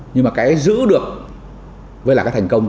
nhưng mà cái giữ được với là cái thành công